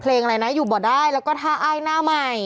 เพลงอะไรนะอยู่บ่อได้แล้วก็ท่าอ้ายหน้าใหม่